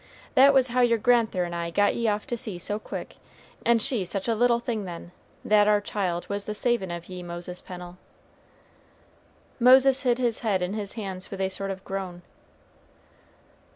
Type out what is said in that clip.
That was how your grand'ther and I got ye off to sea so quick, and she such a little thing then; that ar child was the savin' of ye, Moses Pennel." Moses hid his head in his hands with a sort of groan.